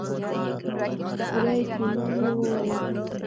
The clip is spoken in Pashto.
په پوره اطمينان يې وويل.